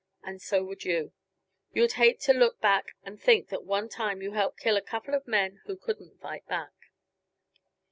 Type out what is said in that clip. And so would you. You'd hate to look back and think that one time you helped kill a couple of men who couldn't fight back.